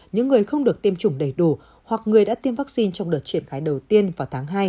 những người không được tiêm chủng đầy đủ hoặc người đã tiêm vaccine trong đợt triển khai đầu tiên vào tháng hai